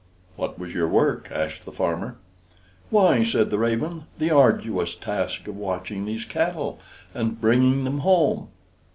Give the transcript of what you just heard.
"What was your work?" asked the farmer. "Why," said the raven, "the arduous task of watching these cattle and bringing them home."